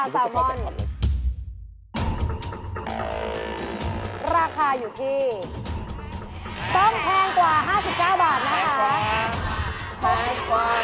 และราคาอยู่ที่